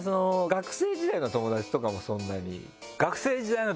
学生時代の友達とかもそんなに？